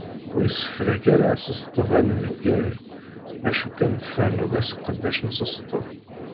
Ur issefrak ara asesteb anmeggag acu kan tferneḍ aseqdec n usesteb.